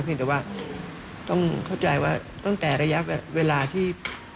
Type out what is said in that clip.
แต่ว่าต้องเข้าใจว่าตั้งแต่ระยะเวลาที่